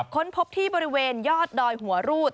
ค้นพบที่บริเวณยอดดอยหัวรูด